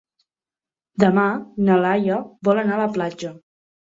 Demà na Laia vol anar a la platja.